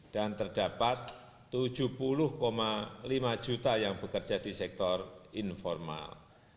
dan terdapat tujuh puluh lima juta yang bekerja di sektor informal